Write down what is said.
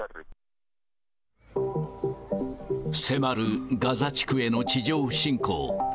迫るガザ地区への地上侵攻。